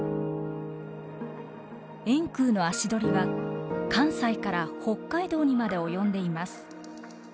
円空の足取りは関西から北海道にまで及んでいます。